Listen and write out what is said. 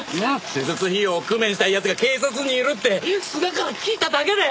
手術費用を工面したい奴が警察にいるって須賀から聞いただけで！